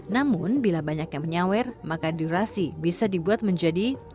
namun bila banyak yang menyawer maka durasi bisa dibuat menjadi tiga kali lipat